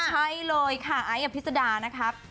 ใช่เลยค่ะไอซ์อภิษดานะครับ